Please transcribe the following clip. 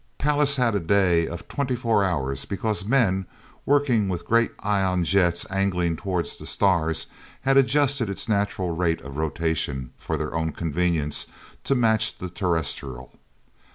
Pallas had a day of twenty four hours because men, working with great ion jets angling toward the stars, had adjusted its natural rate of rotation for their own convenience to match the terrestrial.